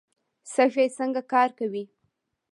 سږي څنګه کار کوي؟